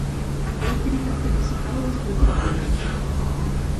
L'activitat principal era la tintura.